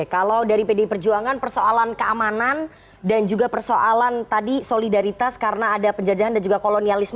kalau dari pdi perjuangan persoalan keamanan dan juga persoalan tadi solidaritas karena ada penjajahan dan juga kolonialisme